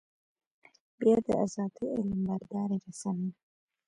بيا د ازادۍ علمبردارې رسنۍ.